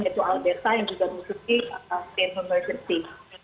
yaitu al desa yang juga diikuti state of emergency